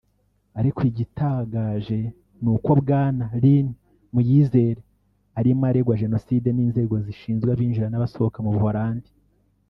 Ariko igitagaje n’uko Bwana Lin Muyizere arimo aregwa Genocide n’inzego zishinzwe abinjira n’abasohoka mu Buhorandi